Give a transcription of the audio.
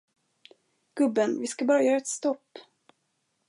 Gubben, vi ska bara göra ett stopp.